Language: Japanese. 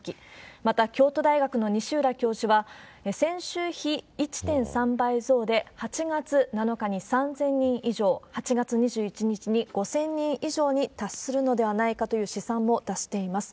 また、京都大学の西浦教授は、先週比１．３倍増で、８月７日に３０００人以上、８月２１日に５０００人以上に達するのではないかという試算も出しています。